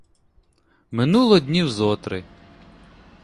Минуло днів зо три.